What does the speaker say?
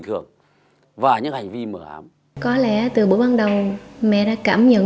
thì em vẫn là người yêu của anh